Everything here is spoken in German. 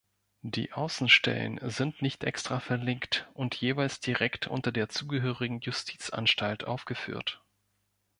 Die Außenstellen sind nicht extra verlinkt und jeweils direkt unter der zugehörigen Justizanstalt aufgeführt.